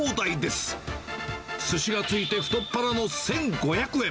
すしがついて太っ腹の１５００円。